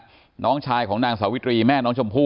ประสงสามรูปนะคะนำสายสีขาวผูกข้อมือให้กับพ่อแม่ของน้องชมพู่